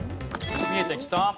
見えてきた。